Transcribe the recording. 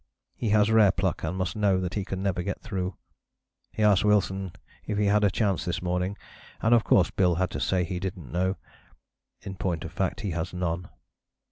He has rare pluck and must know that he can never get through. He asked Wilson if he had a chance this morning, and of course Bill had to say he didn't know. In point of fact he has none.